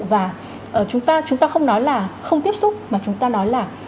và chúng ta không nói là không tiếp xúc mà chúng ta nói là